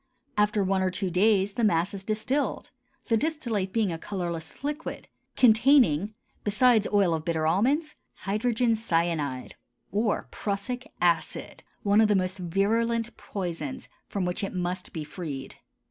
After one or two days the mass is distilled; the distillate being a colorless liquid, containing, besides oil of bitter almonds, hydrogen cyanide or prussic acid, one of the most virulent poisons, from which it must be freed.